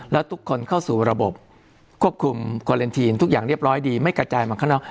แล้วทุกคนเข้าสู่ระบบควบคุมคอเลนทีนทุกอย่างเรียบร้อยดีไม่กระจายมาข้างนอก